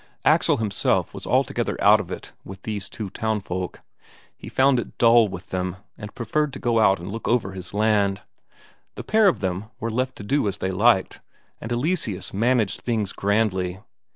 Axel himself was altogether out of it with these two town folk; he found it dull with them, and preferred to go out and look over his land. The pair of them were left to do as they liked, and Eleseus managed things grandly.